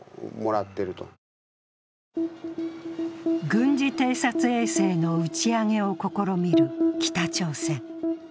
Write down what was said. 軍事偵察衛星の打ち上げを試みる北朝鮮。